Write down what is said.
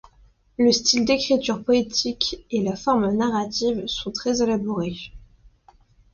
Le style d'écriture poétique et la forme narrative sont très élaborés.